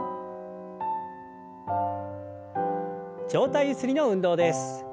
上体ゆすりの運動です。